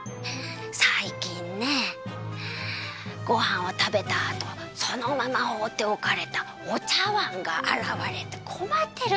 さいきんねごはんをたべたあとそのままほうっておかれたお茶わんがあらわれてこまってるんですよ。